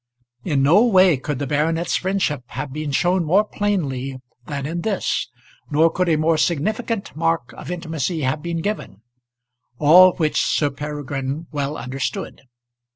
In no way could the baronet's friendship have been shown more plainly than in this, nor could a more significant mark of intimacy have been given; all which Sir Peregrine well understood.